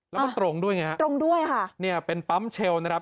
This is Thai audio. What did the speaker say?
แล้วมันตรงด้วยไงฮะตรงด้วยค่ะเนี่ยเป็นปั๊มเชลล์นะครับ